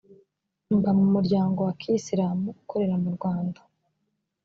mba mumuryango wa kiyisilamu ukorera mu rwanda